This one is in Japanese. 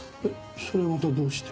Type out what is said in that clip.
それはまたどうして？